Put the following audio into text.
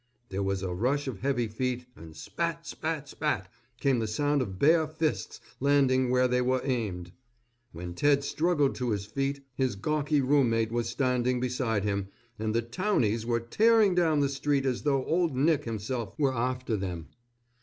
There was a rush of heavy feet and spat, spat, spat, came the sound of bare fists landing where they were aimed. When Ted struggled to his feet his gawky roommate was standing beside him, and the "townies" were tearing down the street as though Old Nick himself were after them.